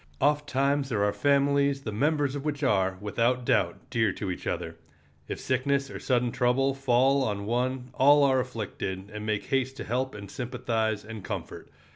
Ofttimes there are families the members of which are, without doubt, dear to each other. If sickness or sudden trouble fall on one all are afflicted, and make haste to help and sympathize and comfort.